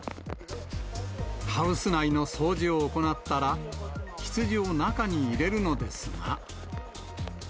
ハウス内の掃除を行ったら、羊を中に入れるのですが。